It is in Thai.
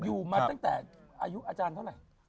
อยู่มาตั้งแต่อายุอาจารย์เท่าไหร่